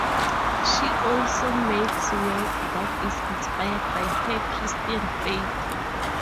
She also makes work that is inspired by her Christian faith.